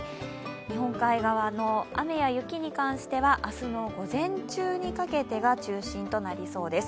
日本海側の雨や雪に関しては明日の午前中にかけてが中心となります。